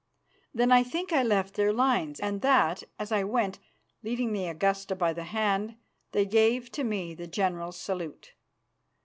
Then I think I left their lines, and that, as I went, leading the Augusta by the hand, they gave to me the general's salute.